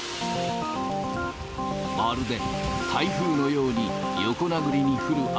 まるで台風のように、横殴りに降る雨。